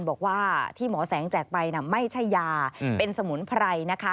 บอกว่าที่หมอแสงแจกไปไม่ใช่ยาเป็นสมุนไพรนะคะ